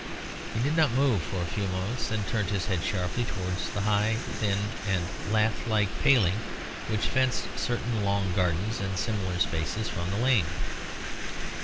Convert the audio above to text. He did not move for a few moments; then he turned his head sharply towards the high, thin, and lath like paling which fenced certain long gardens and similar spaces from the lane.